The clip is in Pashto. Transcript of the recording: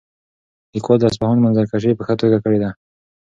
لیکوال د اصفهان منظرکشي په ښه توګه کړې ده.